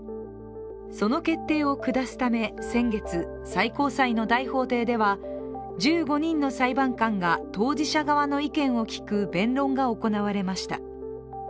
その決定を下すため、先月最高裁の大法廷では１５人の裁判官が当事者側の意見を聞く弁論が行われました。